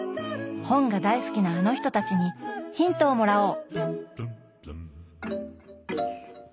本が大好きなあの人たちにヒントをもらおう！